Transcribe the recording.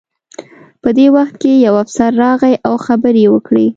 په دې وخت کې یو افسر راغی او خبرې یې وکړې